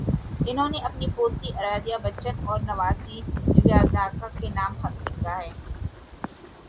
انہوں نے اپنی پوتی ارادھیابچن اور نواسی نیویا ننداکے نام خط لکھا ہے۔